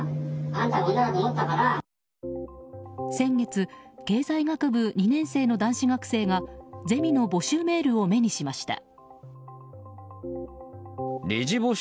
先月、経済学部２年生の男子学生がゼミの募集メールを目にしました。